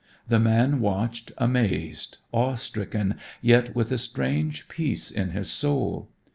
The man watched, amazed, awe stricken, yet with a strange peace in his soul.